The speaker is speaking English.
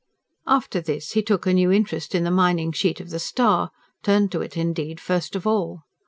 After this, he took a new interest in the mining sheet of the STAR; turned to it, indeed, first of all.